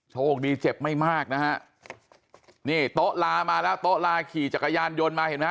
โชคดีเจ็บไม่มากนะฮะนี่โต๊ะลามาแล้วโต๊ะลาขี่จักรยานยนต์มาเห็นไหมฮ